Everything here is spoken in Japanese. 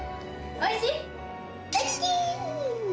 おいしい！